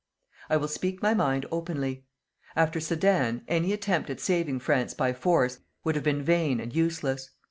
I will speak my mind openly. After Sedan, any attempt at saving France by force would have been vain and useless.